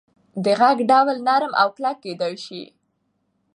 د غږ ډول نرم او کلک کېدی سي.